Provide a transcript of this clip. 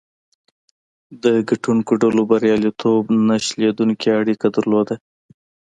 د ګټونکو ډلو بریالیتوب نه شلېدونکې اړیکه درلوده.